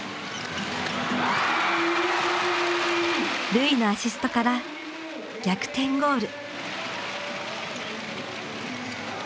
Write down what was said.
瑠唯のアシストから逆転ゴール。